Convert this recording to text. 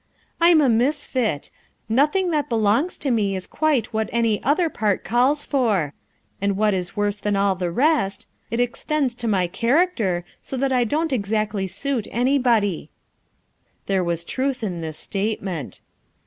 "I'm a misfit; nothing that belongs to me is quite what any other part calls for; and what is worse than all the rest, it extends to my char acter so that I don't exactly suit anybody." There was truth in this statement.